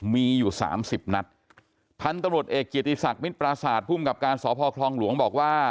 มีอยู่สามสิบนัดพันธุ์ตำรวจเอกเกียรติศักดิ์มิตรปราศาสตร์ภูมิกับการสพคลองหลวงบอกว่า